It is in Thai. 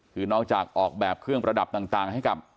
คือนอกจากออกแบบเครื่องประดับต่างให้กับ